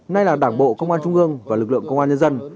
nay là đảng bộ công an trung ương và lực lượng công an nhân dân